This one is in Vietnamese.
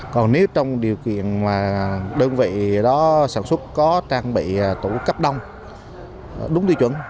còn nếu trong điều kiện mà đơn vị đó sản xuất có trang bị tủ cấp đông đúng tiêu chuẩn